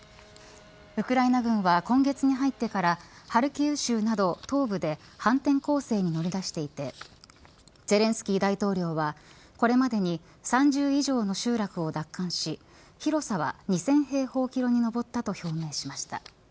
ウクライナ軍は今月に入ってからハルキウ州など東部で反転攻勢に乗り出していてゼレンスキー大統領はこれまでに３０以上の集落を奪還し広さは２０００平方キロに上ったと表明しました。